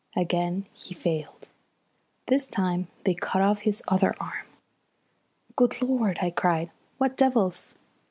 Again he failed. This time they cut off his other arm. "Good Lord," I cried. "What devils!"